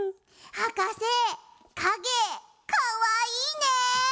はかせかげかわいいね。